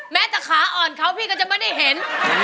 แม้แต่ขาอ่อนเขาพี่ก็จะไม่ได้เห็น